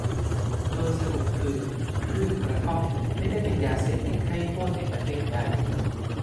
โดยสรุปคือพืชกระท่อม ไม่ได้เป็นยาเสพติดให้โทษในประเทศใด